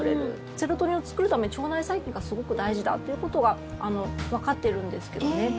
セロトニンを作るために腸内細菌がすごく大事だということがわかっているんですけどね。